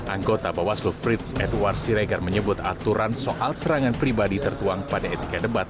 anggota bawaslu frits edward siregar menyebut aturan soal serangan pribadi tertuang pada etika debat